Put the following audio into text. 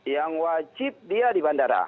yang wajib dia di bandara